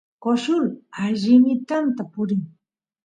coshul allimitanta purin